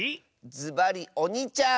ずばりおにちゃん！